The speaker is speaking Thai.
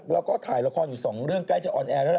แล้วก็ถ่ายละครอยู่สองเรื่องใกล้จะออนแอร์แล้วล่ะ